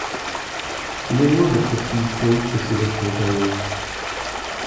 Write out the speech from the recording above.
Il est loin d'être aussi hystérique que ses versions antérieures.